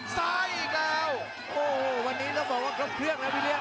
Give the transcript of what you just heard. ซ้ายอีกแล้วโอ้โหวันนี้เราบอกว่ากับเครื่องนะวิลิอม